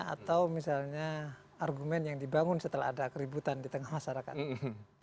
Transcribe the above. atau misalnya argumen yang dibangun setelah ada keributan di tengah masyarakat